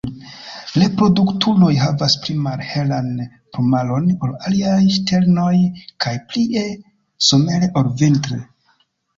Reproduktuloj havas pli malhelan plumaron ol aliaj ŝternoj kaj plie somere ol vintre.